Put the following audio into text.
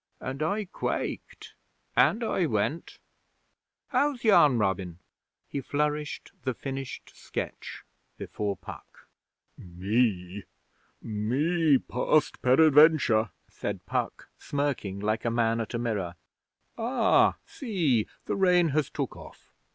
And I quaked, and I went ... How's yon, Robin?' He flourished the finished sketch before Puck. 'Me! Me past peradventure,' said Puck, smirking like a man at a mirror. 'Ah, see! The rain has took off!